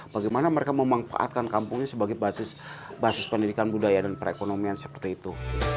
bagaimana mereka memanfaatkan kampungnya sebagai basis pendidikan budaya dan perekonomian seperti itu